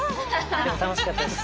でも楽しかったです。